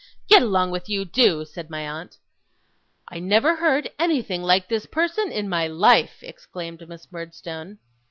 Get along with you, do!' said my aunt. 'I never heard anything like this person in my life!' exclaimed Miss Murdstone.